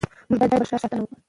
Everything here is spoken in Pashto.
موږ باید د خپل ښار ساتنه وکړو.